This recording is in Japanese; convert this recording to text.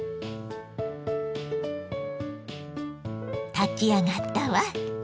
炊き上がったわ。